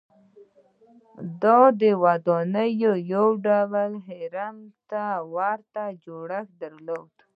دا ودانۍ یو ډول هرم ته ورته جوړښت درلود.